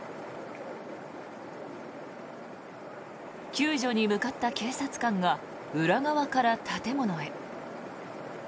救助に向かった警察官が裏側から建物へ。